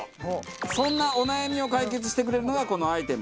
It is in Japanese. そんなお悩みを解決してくれるのがこのアイテム。